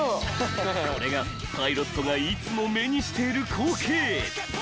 ［これがパイロットがいつも目にしている光景］